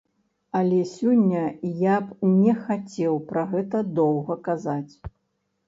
Але сёння я б не хацеў пра гэта доўга казаць.